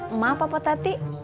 emak apa potati